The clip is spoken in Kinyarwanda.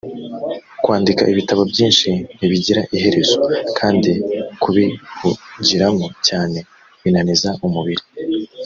kwandika ibitabo byinshi ntibigira iherezo kandi kubihugiramo cyane binaniza umubiri